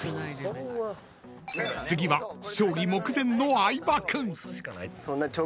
［次は勝利目前の相葉君］